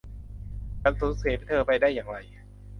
ฉันสูญเสียเธอไปได้อย่างไร